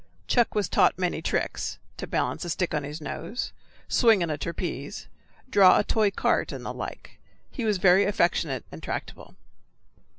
Chuck was taught many tricks, to balance a stick on his nose, swing in a trapeze, draw a toy cart, and the like. He was very affectionate and tractable.